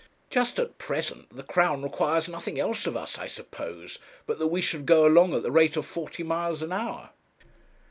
'Just at present the Crown requires nothing else of us, I suppose, but that we should go along at the rate of forty miles an hour.'